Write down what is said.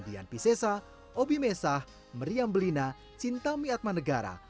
dian piscesa obi mesah meriam belina cinta miatman negara